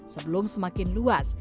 sebelum semakin luas